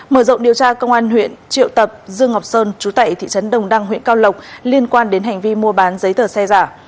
mở rộng điều tra công an huyện triệu tập dương ngọc sơn chú tẩy thị trấn đồng đăng huyện cao lộc liên quan đến hành vi mua bán giấy tờ xe giả